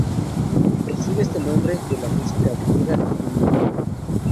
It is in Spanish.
Recibe este nombre de la musa griega Clío.